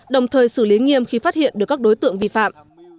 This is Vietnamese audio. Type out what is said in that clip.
đồng thời xử lý nghiêm khi phát hiện được các đối tượng vi phạm